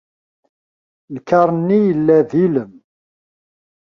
Lkaṛ-nni yella d ilem.